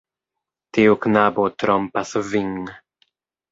Tiu knabo trompas vin.